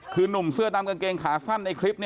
คือนุ่มเสื้อดำกางเกงขาสั้นในคลิป